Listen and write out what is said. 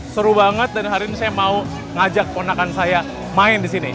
seru banget dan hari ini saya mau ngajak ponakan saya main di sini